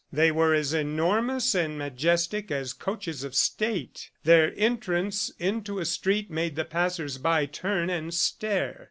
They were as enormous and majestic as coaches of state. Their entrance into a street made the passers by turn and stare.